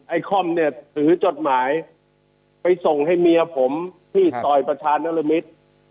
คอมเนี่ยถือจดหมายไปส่งให้เมียผมที่ซอยประชานรมิตร